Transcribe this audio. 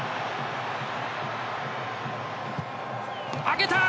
上げた！